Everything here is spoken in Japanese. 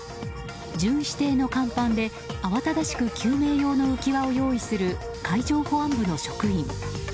巡視艇の甲板で慌ただしく救命用の浮き輪を用意する海上保安部の職員。